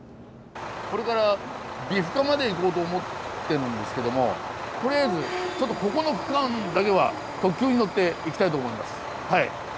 これから美深まで行こうと思ってるんですけどもとりあえずちょっとここの区間だけは特急に乗って行きたいと思いますはい。